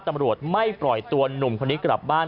ตำรวจไม่ปล่อยตัวหนุ่มคนนี้กลับบ้าน